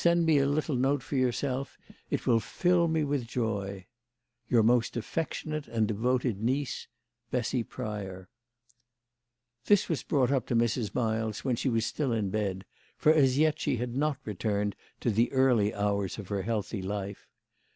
d me a little note from yourself THE LADY OF LAUNAY. 159 it will fill me with joy." Your most affectionate and devoted niece, BESSY PRYOR." This was brought up to Mrs. Miles when she was still in bed, for as yet she had not returned to the early hours of her healthy life.